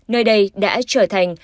nơi đây đã trở thành